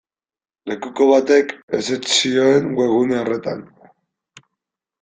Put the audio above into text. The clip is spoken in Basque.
Lekuko batek ezetz zioen webgune horretan.